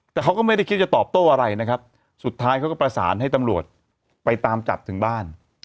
แต่เขาก็ไม่ได้คิดจะตอบโต้อะไรนะครับสุดท้ายเขาก็ประสานให้ตำรวจไปตามจับถึงบ้าน